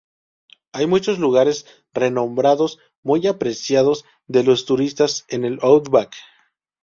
Hay muchos lugares renombrados muy apreciados de los turistas en el outback.